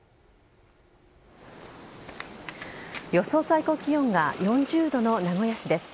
最高気温が４０度の名古屋市です。